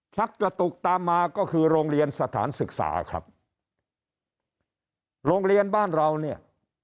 ชักกระตุกตามมาก็คือโรงเรียนสถานศึกษาครับโรงเรียนบ้านเราเนี่ย